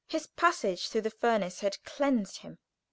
His passage through the furnace had cleansed him.